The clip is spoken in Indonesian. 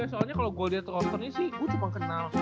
tg tiga soalnya kalo gue liat rosternya sih gue cuman kenal